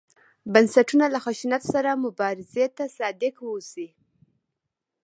بنسټونه له خشونت سره مبارزې ته صادق واوسي.